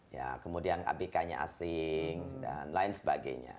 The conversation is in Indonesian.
ya kemudian abk nya asing dan lain sebagainya